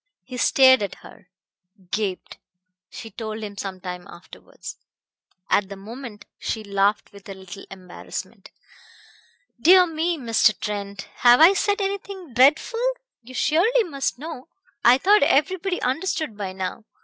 He stared at her "gaped," she told him some time afterwards. At the moment she laughed with a little embarrassment. "Dear me, Mr. Trent! Have I said anything dreadful? You surely must know ... I thought everybody understood by now